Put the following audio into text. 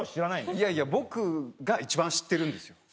いやいや僕が一番知ってるんですよ。